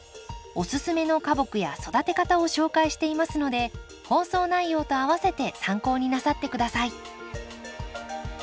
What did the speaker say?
おすすめの花木や育て方を紹介していますので放送内容とあわせて参考になさって下さい。